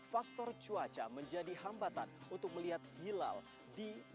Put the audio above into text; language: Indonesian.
faktor cuaca menjadi hambatan untuk melihat hilal di laut